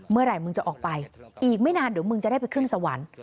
เมื่อไหร่มึงจะออกไปอีกไม่นานเดี๋ยวมึงจะได้ไปขึ้นสวรรค์